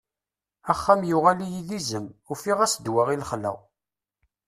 Axxam yuɣal-iyi d izem, ufiɣ-as ddwa i lexla.